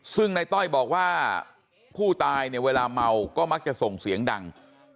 ซึ่งในต้อยบอกว่าผู้ตายเนี่ยเวลาเมาก็มักจะส่งเสียงดัง